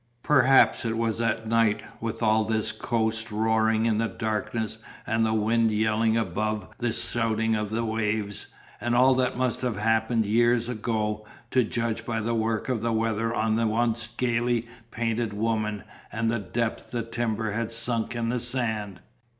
Perhaps it was at night with all this coast roaring in the darkness and the wind yelling above the shouting of the waves. And all that must have happened years ago, to judge by the work of the weather on the once gaily painted woman and the depth the timbers had sunk in the sand.